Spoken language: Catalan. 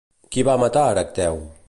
Qui va matar Erecteu?